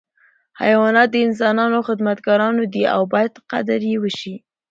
حیوانات د انسانانو خدمتګاران دي او باید قدر یې وشي.